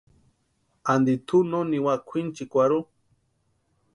Anti tʼu no niwa kwʼinchikwarhu.